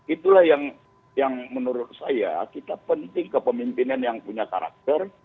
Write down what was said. itulah yang menurut saya kita penting kepemimpinan yang punya karakter